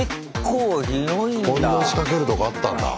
こんな仕掛けるとこあったんだ。